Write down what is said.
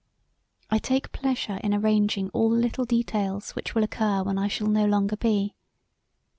I take pleasure in arranging all the little details which will occur when I shall no longer be.